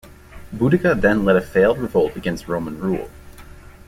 Boudica then led a failed revolt against Roman rule.